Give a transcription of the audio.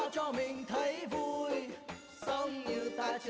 sao cho mình thấy vui